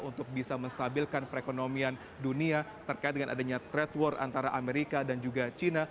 untuk bisa menstabilkan perekonomian dunia terkait dengan adanya trade war antara amerika dan juga china